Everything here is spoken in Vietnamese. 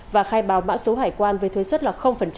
và khai báo mã số hải quan với thuế xuất là